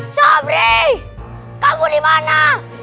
sobri kamu dimana